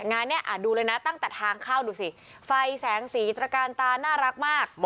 งานนี้ดูเลยนะตั้งแต่ทางเข้าดูสิไฟแสงสีตระการตาน่ารักมาก